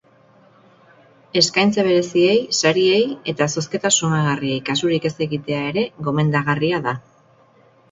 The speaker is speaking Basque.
Eskaintza bereziei, sariei eta zozketa susmagarriei kasurik ez egitea ere gomendagarria da.